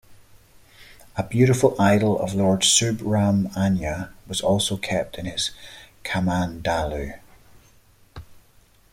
A beautiful idol of Lord Subrahmanya was also kept in his kamandalu.